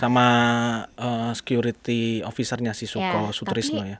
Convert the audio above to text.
sama security officernya si suko sutrisno ya